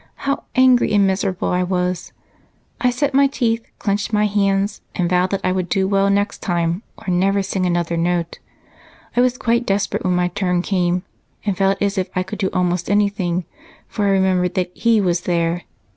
How angry and miserable I was! I set my teeth, clenched my hands, and vowed that I would do well next time or never sing another note. I was quite desperate when my turn came, and felt as if I could do almost anything, for I remembered that he was there.